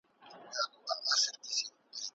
له خپل وطنه مې زړه نه ځي